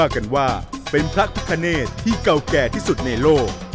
กันว่าเป็นพระพิคเนตที่เก่าแก่ที่สุดในโลก